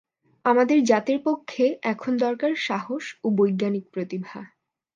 আমাদের জাতের পক্ষে এখন দরকার সাহস ও বৈজ্ঞানিক প্রতিভা।